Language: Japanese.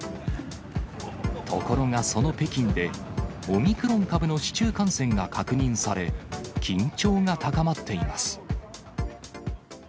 ところがその北京で、オミクロン株の市中感染が確認され、緊張が高まっています。